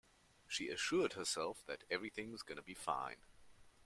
She assured herself that everything is gonna be fine.